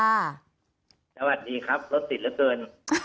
สวัสดีครับรถติดเหลือเกิน